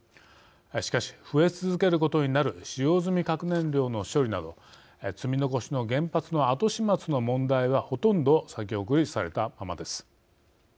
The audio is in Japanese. しかし、増え続けることになる使用済み核燃料の処理など積み残しの原発の後始末の問題はほとんど先送りされたままです。